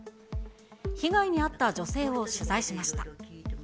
被害に遭った女性を取材しました。